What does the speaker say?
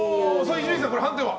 伊集院さん、判定は？